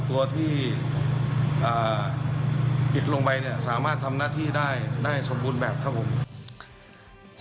ตัวที่ปิดลงไปเนี่ยสามารถทำหน้าที่ได้ได้สมบูรณ์แบบครับผม